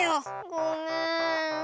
ごめん。